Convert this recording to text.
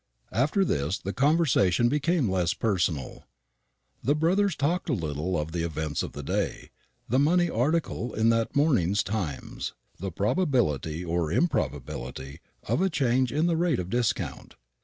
After this the conversation became less personal. The brothers talked a little of the events of the day, the money article in that morning's Times, the probability or improbability of a change in the rate of discount.